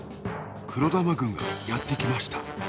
黒玉軍がやってきました。